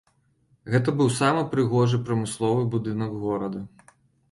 Гэта быў самы прыгожы прамысловы будынак горада.